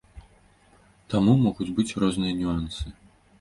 Таму могуць быць розныя нюансы.